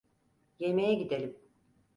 Yemeğe gidelim.